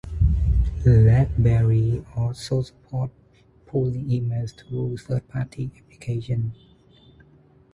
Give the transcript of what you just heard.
BlackBerry also supports polling email, through third-party applications.